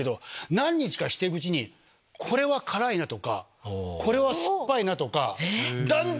何日かして行くうちにこれは辛いなとかこれは酸っぱいなとか。